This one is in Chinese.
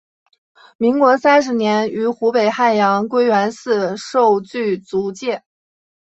民国三十年于湖北汉阳归元寺受具足戒。